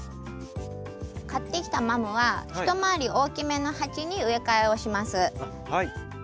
買ってきたマムはひと回り大きめの鉢に植え替えをします。